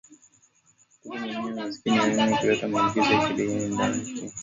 Kupe mwenye masikio ya kahawia huleta maambukizi ya ndigana kali